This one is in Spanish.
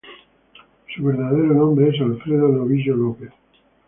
Su verdadero nombre es Alfredo Novillo López.